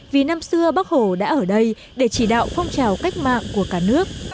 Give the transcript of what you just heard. vì năm xưa bắc hồ đã ở đây để chỉ đạo phong trào cách mạng của cả nước